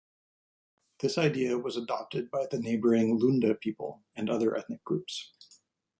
This idea was adopted by the neighboring Lunda people and other ethnic groups.